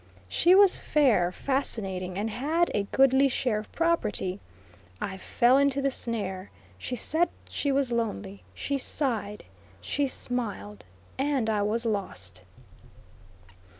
She was fair, fascinating, and had a goodly share of property. I fell into the snare. She said she was lonely; she sighed; she smiled, and I was lost.